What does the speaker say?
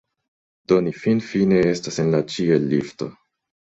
Do ni finfine estas en la ĉiel-lifto